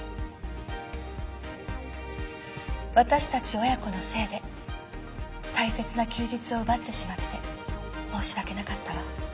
私たち親子のせいで大切な休日を奪ってしまって申し訳なかったわ。